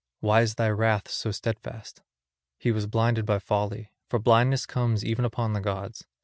Why is thy wrath so steadfast? He was blinded by folly. For blindness comes even upon the gods.